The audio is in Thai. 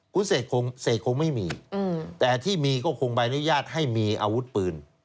คุณเสกคงไม่มีแต่ที่มีก็คงใบอนุญาตให้มีอาวุธปืน